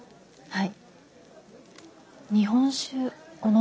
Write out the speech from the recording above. はい。